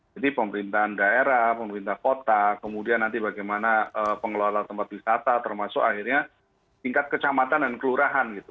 jadi pemerintahan daerah pemerintah kota kemudian nanti bagaimana pengelola tempat wisata termasuk akhirnya tingkat kecamatan dan kelurahan gitu